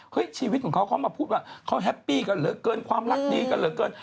ชีวิตของเขาเขามาพูดว่าเขาแฮปปี้กันเหลือเกินความรักดีกันเหลือเกิน